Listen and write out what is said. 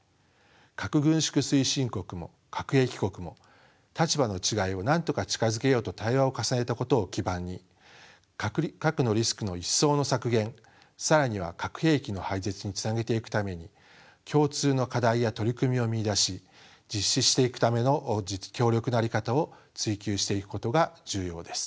核軍縮推進国も核兵器国も立場の違いをなんとか近づけようと対話を重ねたことを基盤に核のリスクの一層の削減更には核兵器の廃絶につなげていくために共通の課題や取り組みを見いだし実施していくための協力の在り方を追求していくことが重要です。